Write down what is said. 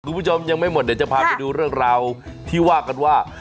คุณผู้ชมยังไม่หมดเดี๋ยวจะพาไปดูเรื่องราวที่ว่ากันว่า